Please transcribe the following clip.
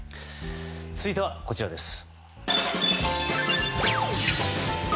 続いてはこちらです。